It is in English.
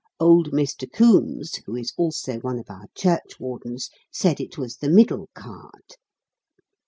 Old Mr. Coombes, who is also one of our churchwardens, said it was the middle card.